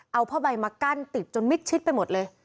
เอาผ้าใบมากั้นติดจนมิดชิดไปหมดเลย